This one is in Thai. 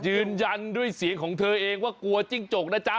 ยืนยันด้วยเสียงของเธอเองว่ากลัวจิ้งจกนะจ๊ะ